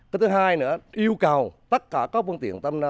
cái thứ hai nữa yêu cầu tất cả các phương tiện tâm gia nổ bét